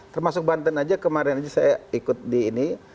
termasuk banten saja kemarin saja saya ikut di ini